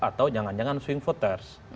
atau jangan jangan swing voters